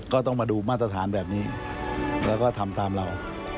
ก็ต้องมาดูมาตรฐานแบบนี้แล้วก็ทำตามเรา